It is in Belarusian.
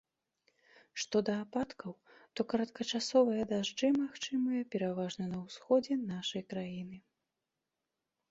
Што да ападкаў, то кароткачасовыя дажджы магчымыя пераважна на ўсходзе нашай краіны.